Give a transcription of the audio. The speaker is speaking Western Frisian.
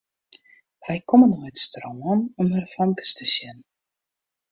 Wy komme nei it strân om nei de famkes te sjen.